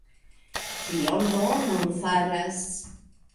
Kion do vi nun faras?